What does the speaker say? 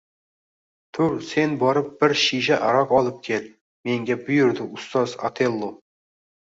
Tur sen borib bir shisha aroq olib kel, menga buyurdi ustoz Otello